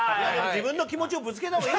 自分の気持ちをぶつけた方が。